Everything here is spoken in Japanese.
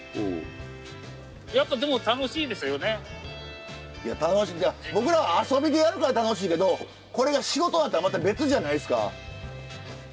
いや僕らは遊びでやるから楽しいけどこれが仕事だったらまた別じゃないですか？